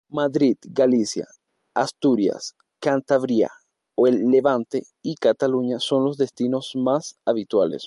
Madrid, Galicia, Asturias, Cantabria, o el Levante y Cataluña son los destinos más habituales.